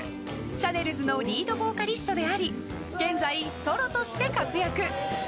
シャネルズのリードボーカリストであり現在、ソロとして活躍。